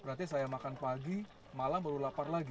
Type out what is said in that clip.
berarti saya makan pagi malam baru lapar lagi